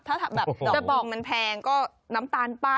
แต่บอกมันแพงก็น้ำตาลปั้นก็ได้